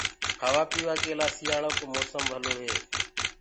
کآوآ پيوآ ڪي لآ سيٚآݪڪو موسم ڀلو هي۔